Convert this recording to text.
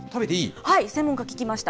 はい、専門家に聞きました。